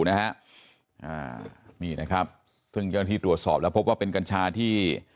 นะครับนี่นะครับซึ่งยังที่ตรวจสอบแล้วพบว่าเป็นกัญชาที่